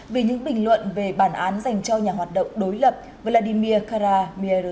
về những bình luận về bản án dành cho nhà hoạt động đối lập vladimir karamirov